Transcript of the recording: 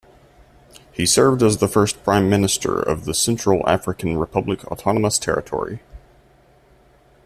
He served as the first Prime Minister of the Central African Republic autonomous territory.